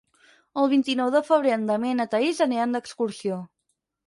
El vint-i-nou de febrer en Damià i na Thaís aniran d'excursió.